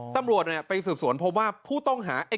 ตำรวจไปสืบสวนพบว่าผู้ต้องหา